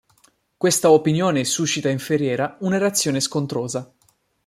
Questa opinione suscita in Ferriera una reazione scontrosa.